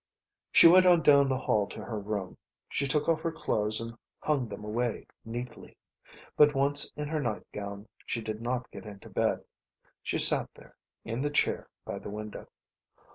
She went on down the hall to her room. She took off her clothes, and hung them away, neatly. But once in her nightgown she did not get into bed. She sat there, in the chair by the window.